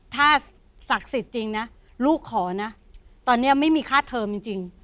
ถ้าศักดิ์สิทธิ์จริงนะลูกขอนะตอนนี้ไม่มีค่าเทอมจริง